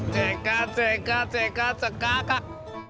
cekak cekak cekak cekakak